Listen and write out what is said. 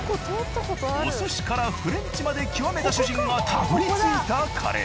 お寿司からフレンチまで極めた主人がたどり着いたカレー。